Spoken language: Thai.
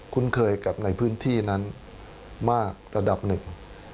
คุ้นเคยกับในพื้นที่นั้นมากระดับหนึ่ง